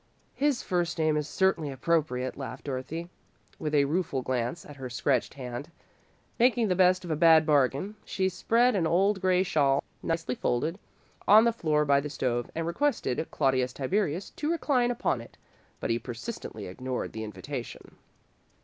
"His first name is certainly appropriate," laughed Dorothy, with a rueful glance at her scratched hand. Making the best of a bad bargain, she spread an old grey shawl, nicely folded, on the floor by the stove, and requested Claudius Tiberius to recline upon it, but he persistently ignored the invitation.